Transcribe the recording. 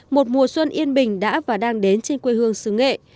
một mùa xuân yên bình đã và đang đến trên quê hương xứ nghệ